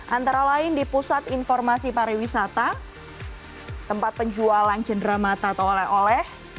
antara lain di pusat informasi pariwisata tempat penjualan cenderamata atau oleh oleh